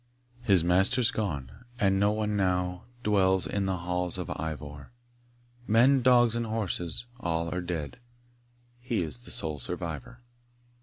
His master's gone, and no one now Dwells in the halls of Ivor; Men, dogs, and horses, all are dead, He is the sole survivor.